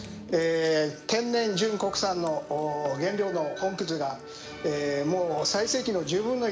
天然純国産の原料の本葛がもう最盛期の１０分の１。